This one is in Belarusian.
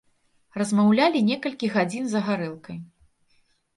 Размаўлялі некалькі гадзін за гарэлкай.